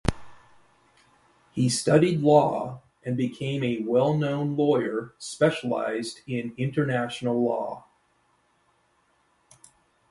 He studied law, and became a well-known lawyer specialised in International Law.